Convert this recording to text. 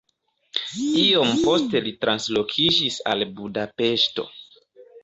Iom poste li translokiĝis al Budapeŝto.